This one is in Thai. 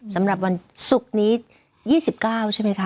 สำหรับวันศุกร์นี้๒๙ใช่ไหมคะ